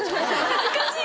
恥ずかしい。